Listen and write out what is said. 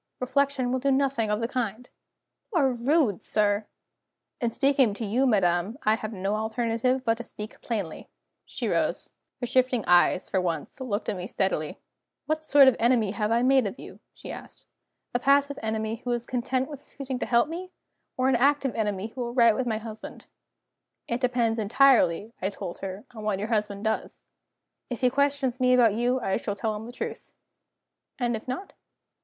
"Reflection will do nothing of the kind." "You are rude, sir!" "In speaking to you, madam, I have no alternative but to speak plainly." She rose. Her shifting eyes, for once, looked at me steadily. "What sort of enemy have I made of you?" she asked. "A passive enemy who is content with refusing to help me? Or an active enemy who will write to my husband?" "It depends entirely," I told her, "on what your husband does. If he questions me about you, I shall tell him the truth." "And if not?"